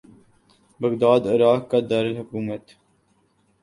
Baghdad Iraq کا دار الحکومت